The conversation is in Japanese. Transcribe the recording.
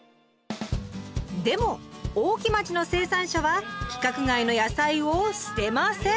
でも大木町の生産者は規格外の野菜を捨てません！